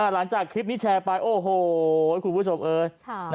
หลังจากคลิปนี้แชร์ไปโอ้โหคุณผู้ชมเอ้ย